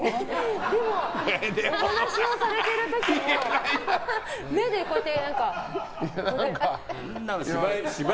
でも、お話をされてる時の目でこうやって。